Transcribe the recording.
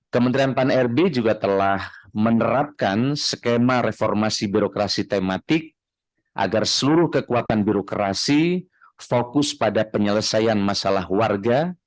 kementerian pan rb juga telah menerapkan skema reformasi birokrasi tematik agar seluruh kekuatan birokrasi fokus pada penyelesaian masalah warga